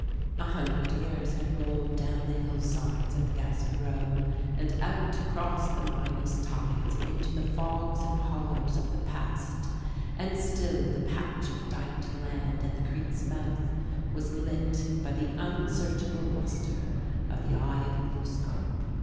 A hundred years had rolled down the hillsides of the Gaspereau and out across the Minas tides into the fogs and hollows of the past; and still the patch of dyked land at the creek's mouth was lit by the unsearchable lustre of the "Eye of Gluskâp."